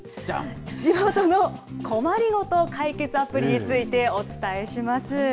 地元の困りごと解決アプリについてお伝えします。